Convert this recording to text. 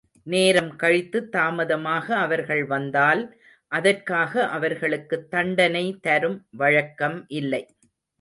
நேரம் கழித்துத் தாமதமாக அவர்கள் வந்தால் அதற்காக அவர்களுக்குத் தண்டனை தரும் வழக்கம் இல்லை.